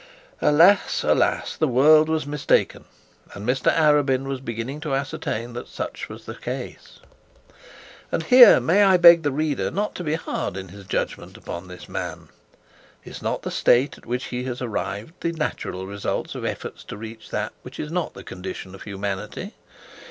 Alas! alas! the world was mistaken; and Mr Arabin was beginning to ascertain that such was the case. And here, may I beg the reader not to be hard in the judgement upon this man. Is not the state at which he has arrived, the natural result of efforts to reach that which is not the condition of humanity?